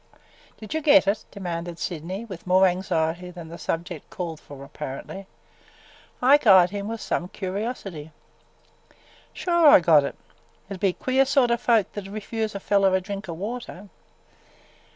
"Did you get it?" demanded Sydney, with more anxiety than the subject called for, apparently. Ike eyed him with some curiosity. "Sure I got it. It 'd be queer sort o' folks that 'd refuse a feller a drink o' water!